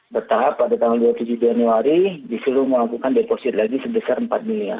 bertahap pada tanggal dua puluh tujuh januari disuruh melakukan deposit lagi sebesar empat miliar